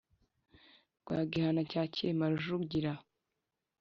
rwa Gihana cya Cyilima Rujugira